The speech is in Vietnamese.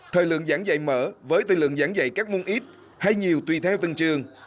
thời lượng giảng dạy mở với thời lượng giảng dạy các môn ít hay nhiều tùy theo tầng trường